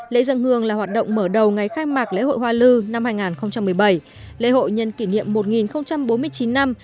lễ dân hương là hoạt động mở đầu ngày khai mạc lễ hội hoa lư năm hai nghìn một mươi bảy lễ hội nhân kỷ niệm một nghìn bốn mươi chín năm